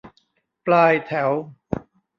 ปลายแถว